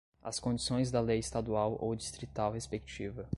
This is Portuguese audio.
as condições da lei estadual ou distrital respectiva